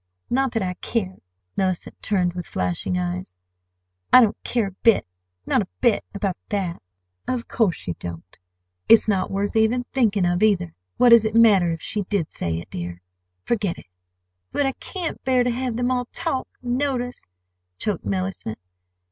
Not that I care!" Mellicent turned with flashing eyes. "I don't care a bit—not a bit—about that!" "Of course you don't! It's not worth even thinking of either. What does it matter if she did say it, dear? Forget it!" "But I can't bear to have them all talk—and notice," choked Mellicent.